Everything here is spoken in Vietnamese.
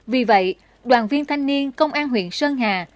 vì vậy đoàn viên thanh niên công an huyện sơn hà